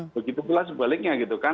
begitu pula sebaliknya gitu kan